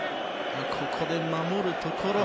ここで守るところ。